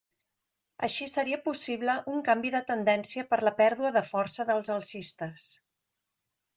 Així seria possible un canvi de tendència per la pèrdua de força dels alcistes.